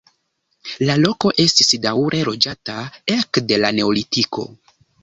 La loko estis daŭre loĝata ekde la neolitiko.